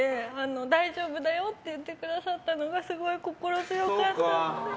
大丈夫だよって言ってくださったのですごく心強かったので。